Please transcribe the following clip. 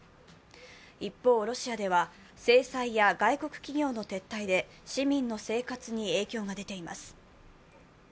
一方、ロシアでは制裁や外国企業の撤退で市民の生活に影響が出ています。